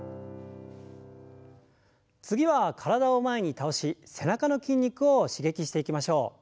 次は体を前に倒し背中の筋肉を刺激していきましょう。